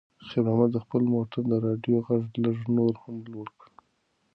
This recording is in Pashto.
خیر محمد د خپل موټر د راډیو غږ لږ نور هم لوړ کړ.